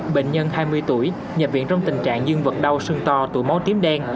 bệnh nhân hai mươi tuổi nhập viện trong tình trạng dương vật đau sưng to tụi máu tím đen